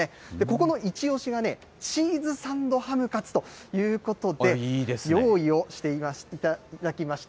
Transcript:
ここの一押しがね、チーズサンドハムカツということで、用意をしていただきました。